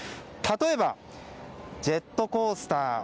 例えば、ジェットコースター。